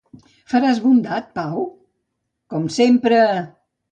Faràs bondat, Pau? Com sempre!